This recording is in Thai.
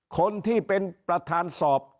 คนที่เป็นประธานสอบ